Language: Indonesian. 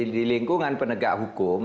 di lingkungan penegak hukum